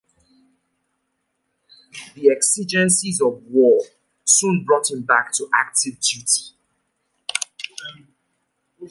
The exigencies of war soon brought him back to active duty.